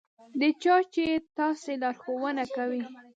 د چا چې تاسې لارښوونه کوئ.